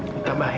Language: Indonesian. kamu tak bahaya